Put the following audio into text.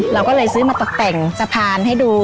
เราก็เลยซื้อมาตกแต่งสะพานให้ดู